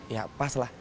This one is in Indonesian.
ya pas lah